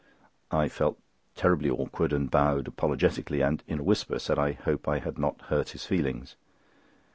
I felt terribly awkward and bowed apologetically, and in a whisper said I hoped I had not hurt his feelings.